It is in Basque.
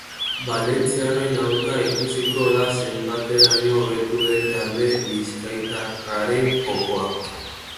Valentziarren aurka ikusiko da zenbateraino hobetu den talde bizkaitarraren jokoa.